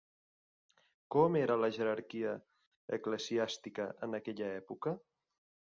Com era la jerarquia eclesiàstica en aquella època?